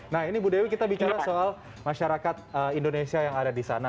nah ini bu dewi kita bicara soal masyarakat indonesia yang ada di sana